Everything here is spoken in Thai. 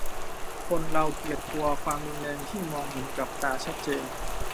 คนเราเกลียดกลัวความรุนแรงที่มองเห็นกับตาชัดเจน